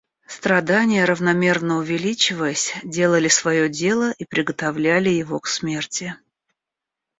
Страдания, равномерно увеличиваясь, делали свое дело и приготовляли его к смерти.